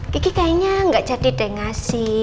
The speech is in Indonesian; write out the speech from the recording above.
kiki kayaknya gak jadi dengasi